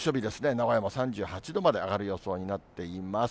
名古屋も３８度まで上がる予想になっています。